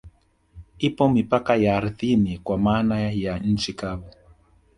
Ipo mipaka ya ardhini kwa maana ya nchi kavu